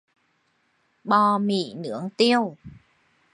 bò mĩ nướng tiêu